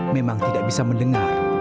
memang tidak bisa mendengar